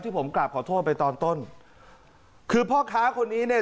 ผมกราบขอโทษไปตอนต้นคือพ่อค้าคนนี้เนี่ย